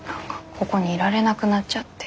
ここにいられなくなっちゃって。